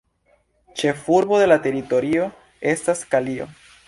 Ĉefurbo de la teritorio estas Kalio.